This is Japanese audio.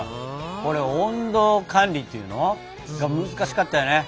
これ温度管理っていうの？が難しかったよね。